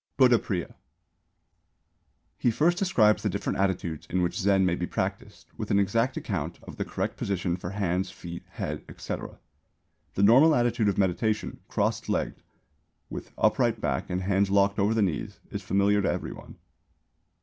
BUDDHAPRIYA. He first describes the different attitudes in which Zen may be practised, with an exact account of the correct position for hands, feet, head, etc. The normal attitude of meditation, cross legged, with upright back and hands locked over the knees is familiar to every one.